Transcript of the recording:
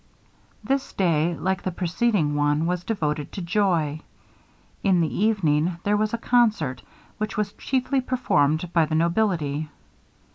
This day, like the preceding one, was devoted to joy. In the evening there was a concert, which was chiefly performed by the nobility.